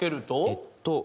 えっと。